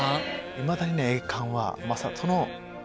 いまだにね『栄冠』はまさとの。